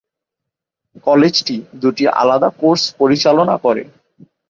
কলেজটি দুইটি আলাদা কোর্স পরিচালনা করেঃ